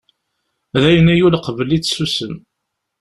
Dayen a yul qbel-itt sussem.